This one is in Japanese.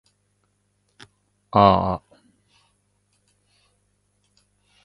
あーあ